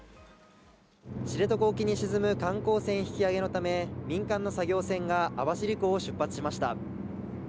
知床沖に沈む観光船引き揚げのため、民間の作業船が網走港を出発しました。